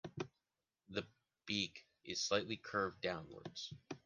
The beak is slightly curved downwards.